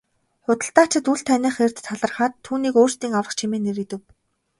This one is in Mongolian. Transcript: Худалдаачид үл таних эрд талархаад түүнийг өөрсдийн аврагч хэмээн нэрийдэв.